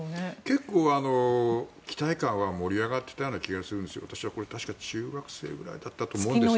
結構、期待感は盛り上がっていたような気がするんですが私は確か、中学生くらいだったと思うんですが。